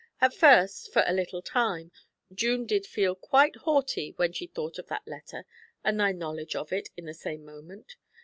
At first, for a little time, June did feel quite haughty when she thought of that letter and thy knowledge of it in the same moment.